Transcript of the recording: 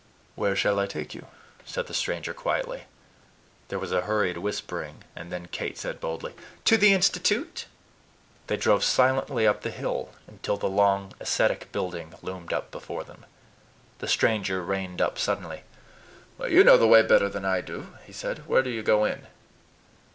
"Where shall I take you?" said the stranger quietly. There was a hurried whispering; and then Kate said boldly, "To the Institute." They drove silently up the hill, until the long, ascetic building loomed up before them. The stranger reined up suddenly. "You know the way better than I," he said. "Where do you go in?"